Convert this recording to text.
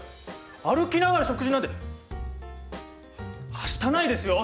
歩きながら食事なんてはしたないですよ！